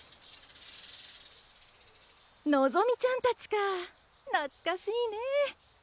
のぞみちゃんたちか懐かしいねえ！